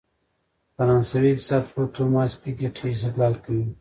فرانسوي اقتصادپوه توماس پيکيټي استدلال کوي.